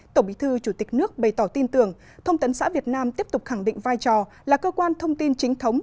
tổng bí thư chủ tịch nước bày tỏ tin tưởng thông tấn xã việt nam tiếp tục khẳng định vai trò là cơ quan thông tin chính thống